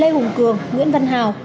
lê hùng cường nguyễn văn hào